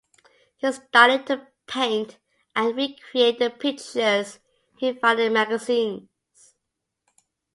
He started to paint and recreate the pictures he found in magazines.